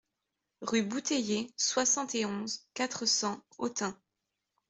Rue Bouteiller, soixante et onze, quatre cents Autun